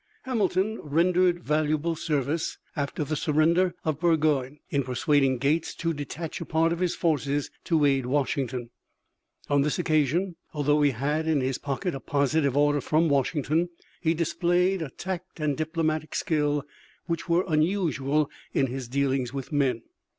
Hamilton rendered valuable service after the surrender of Burgoyne, in persuading Gates to detach a part of his forces to aid Washington. On this occasion, although he had in his pocket a positive order from Washington, he displayed a tact and diplomatic skill which were unusual in his dealings with men.